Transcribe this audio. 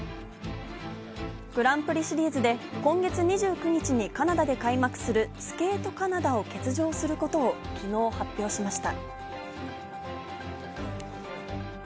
グランプリシリーズで今月２９日にカナダで開幕する、スケートカナダを欠場することを昨日発表しました。